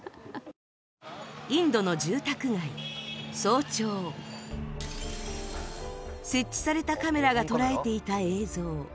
インドの住宅街早朝設置されたカメラが捉えていた映像